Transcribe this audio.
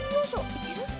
いける？